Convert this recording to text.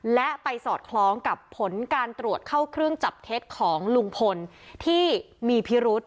และไปสอดคล้องกับผลการตรวจเข้าเครื่องจับเท็จของลุงพลที่มีพิรุษ